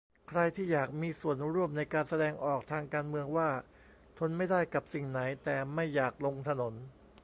ใครที่อยากมีส่วนร่วมในการแสดงออกทางการเมืองว่า ทนไม่ได้กับสิ่งไหน แต่ไม่อยาก "ลงถนน"